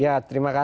ya terima kasih